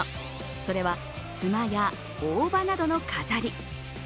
それはつまや大葉などの飾り。